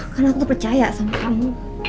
karena aku percaya sama kamu